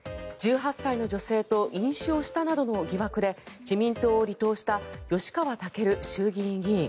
１８歳の女性と飲酒をしたなどの疑惑で自民党を離党した吉川赳衆議院議員。